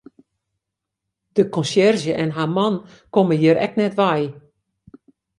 De konsjerzje en har man komme hjir ek net wei.